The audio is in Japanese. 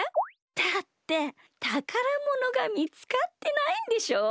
だってたからものがみつかってないんでしょ？